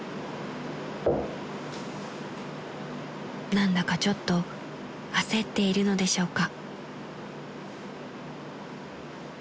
［何だかちょっと焦っているのでしょうか？］